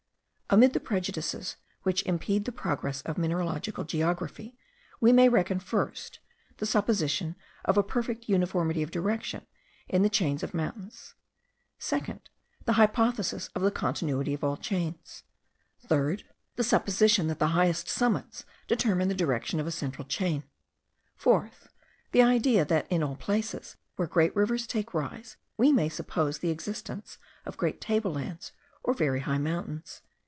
Amid the prejudices which impede the progress of mineralogical geography, we may reckon, 1st, the supposition of a perfect uniformity of direction in the chains of mountains; 2nd, the hypothesis of the continuity of all chains; 3rd, the supposition that the highest summits determine the direction of a central chain; 4th, the idea that, in all places where great rivers take rise, we may suppose the existence of great tablelands, or very high mountains.)